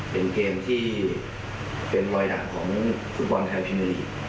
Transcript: เป็นเกมที่เป็นลอยด่างของภวนทัพพิวนิวอีก